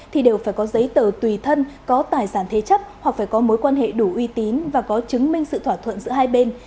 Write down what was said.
thì đều phải có giấy tờ tùy thân có tài sản thế chấp hoặc phải có mối quan hệ đủ uy tín và có chứng minh sự thỏa thuận giữa hai bên